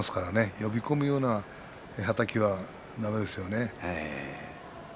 呼び込むようなはたきはだめです。